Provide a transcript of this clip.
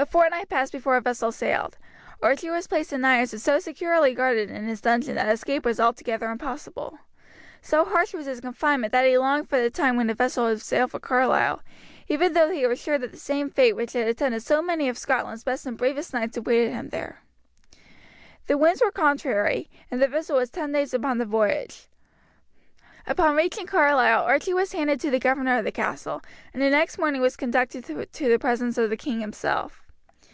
A fortnight passed before a vessel sailed. Archie was placed in irons and so securely guarded in his dungeon that escape was altogether impossible. So harsh was his confinement that he longed for the time when a vessel would sail for Carlisle, even though he was sure that the same fate which had attended so many of Scotland's best and bravest knights awaited him there. The winds were contrary, and the vessel was ten days upon the voyage. Upon reaching Carlisle Archie was handed to the governor of the castle, and the next morning was conducted to the presence of the king himself.